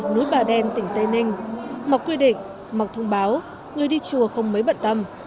núi bà đen tỉnh tây ninh mặc quy định mặc thông báo người đi chùa không mấy bận tâm